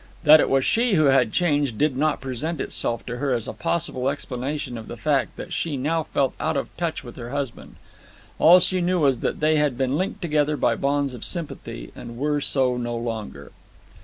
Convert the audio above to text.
That it was she who had changed did not present itself to her as a possible explanation of the fact that she now felt out of touch with her husband. All she knew was that they had been linked together by bonds of sympathy, and were so no longer.